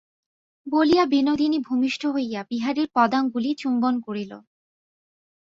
বলিয়া বিনোদিনী ভূমিষ্ঠ হইয়া বিহারীর পদাঙ্গুলি চুম্বন করিল।